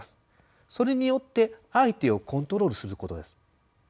それによって相手をコントロールすることです。